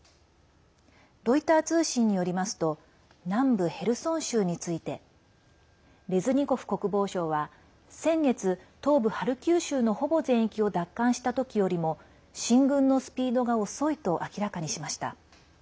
ロイター通信によりますと南部ヘルソン州についてレズニコフ国防相は先月、東部ハルキウ州のほぼ全域を奪還した時よりも進軍のスピードが遅いと明らかにしました。